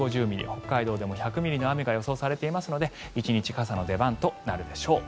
北海道でも１００ミリの雨が予想されていますので１日傘の出番となるでしょう。